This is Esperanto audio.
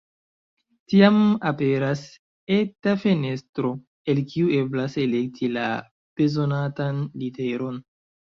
Tiam aperas eta fenestro, el kiu eblas elekti la bezonatan literon.